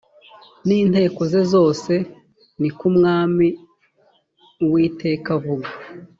n inteko ze zose ni ko umwami uwiteka avuga